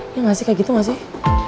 iya gak sih kayak gitu gak sih